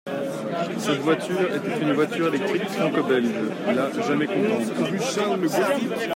Cette voiture était une voiture électrique franco-belge, la « Jamais contente ».